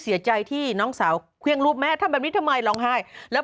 เสียใจที่น้องสาวเครื่องรูปแม่ทำแบบนี้ทำไมร้องไห้แล้ว